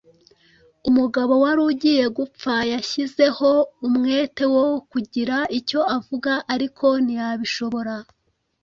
Umugabo wari ugiye gupfa yashyizeho umwete wo kugira icyo avuga, ariko ntiyabishobora.